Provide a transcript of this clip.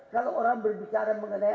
kalau orang berbicara mengenai